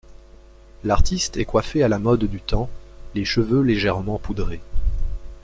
L'artiste est coiffé à la mode du temps, les cheveux légèrement poudrés.